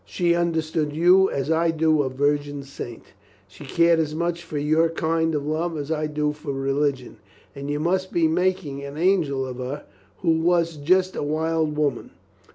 "She understood you as I do a virgin saint. She cared as much for your kind of love as I do for religion. And you must be mak ing an angel of her who was just a wild woman.